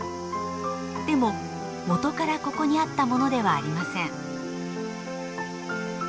でも元からここにあったものではありません。